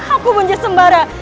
aku bunuh sembarang